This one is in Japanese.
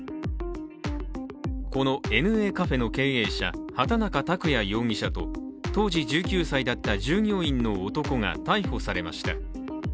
このＮＡカフェの経営者、畑中卓也容疑者と当時１９歳だった従業員の男が逮捕されました。